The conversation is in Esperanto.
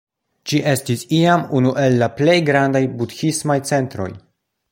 Ĝi estis iam unu el la plej grandaj budhismaj centroj.